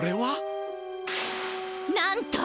なんと！